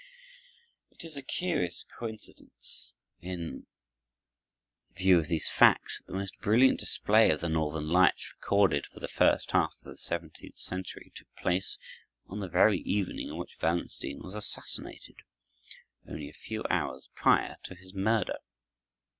It is a curious coincidence, in view of these facts, that the most brilliant display of the northern lights recorded for the first half of the seventeenth century took place on the very evening on which Wallenstein was assassinated, only a few hours prior to his murder.